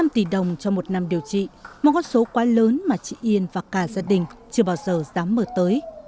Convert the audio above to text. một năm tỷ đồng cho một năm điều trị một con số quá lớn mà chị yên và cả gia đình chưa bao giờ dám mở tới